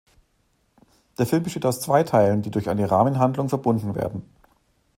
Der Film besteht aus zwei Teilen, die durch eine Rahmenhandlung verbunden werden.